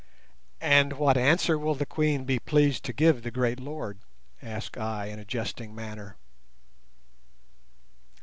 "And what answer will the Queen be pleased to give to the great Lord?" asked I, in a jesting manner.